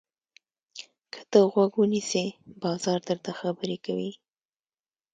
که ته غوږ ونیسې، بازار درته خبرې کوي.